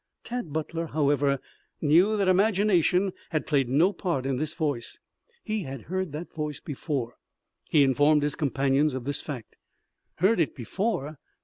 Tad Butler, however, knew that imagination had played no part in this voice. He had heard the voice before. He informed his companions of this fact. "Heard it before?